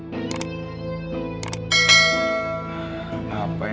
kamu harus senang senang dengan saya